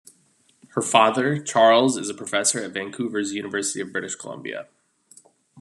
Her father, Charles, is a professor at Vancouver's University of British Columbia.